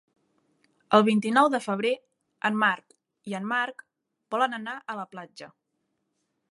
El vint-i-nou de febrer en Marc i en Marc volen anar a la platja.